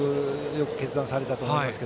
よく決断されたと思いますが。